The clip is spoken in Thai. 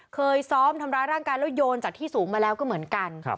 เคยซ้อมทำร้ายร่างกายแล้วโยนจากที่สูงมาแล้วก็เหมือนกัน